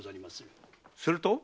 すると？